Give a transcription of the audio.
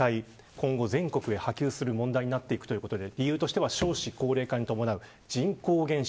今後、全国へ波及する問題になっていくということで理由としては少子高齢化に伴う人口減少。